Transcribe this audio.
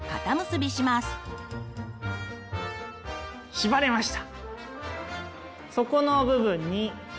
縛れました。